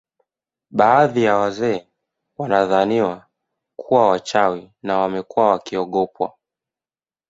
Baadhi ya wazee wanadhaniwa kuwa wachawi na wamekuwa wakiogopwa